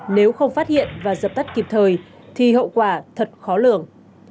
nếu không phát hiện và dập tắt kịp thời thì hậu quả thật khó lường